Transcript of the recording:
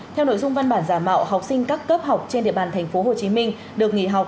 theo nội dung văn bản giả mạo học sinh các cấp học trên địa bàn tp hcm được nghỉ học